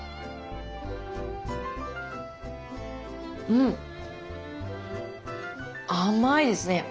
うん甘いですね。